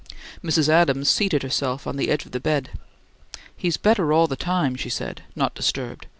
Mrs. Adams seated herself on the edge of the bed. "He's better all the time," she said, not disturbed.